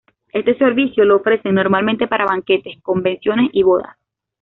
Este servicio lo ofrecen normalmente para banquetes, convenciones y bodas.